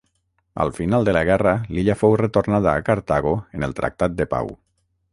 Al final de la guerra l'illa fou retornada a Cartago en el tractat de pau.